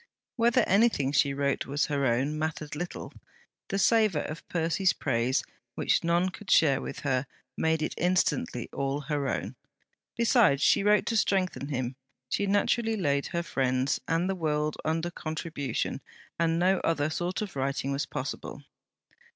Whether anything she wrote was her own, mattered little: the savour of Percy's praise, which none could share with her, made it instantly all her own. Besides she wrote to strengthen him; she naturally laid her friends and the world under contribution; and no other sort of writing was possible.